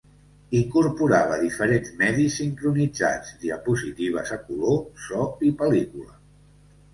Incorporava diferents medis sincronitzats: diapositives a color, so i pel·lícula.